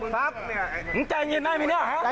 ในนี่แหละ